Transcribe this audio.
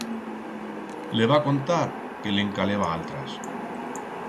Le va contar que le'n caleba altras.